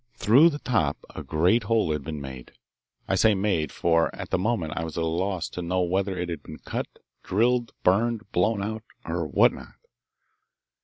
Through the top a great hole had been made I say made, for at the moment I was at a loss to know whether it had been cut, drilled, burned, blown out, or what not.